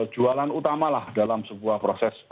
jualan utamalah dalam sebuah proses